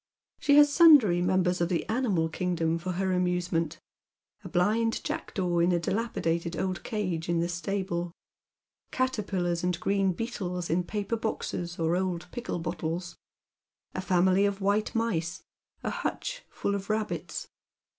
She has sundry members of the animal kingdom for her amusement, a blind jackdaw in a dilapidated old cage in the stable, caterpillars and green beetles in paper boxes or old pickle bottles, a family of white mice, a hutch full of rabbits.